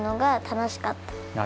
楽しかった。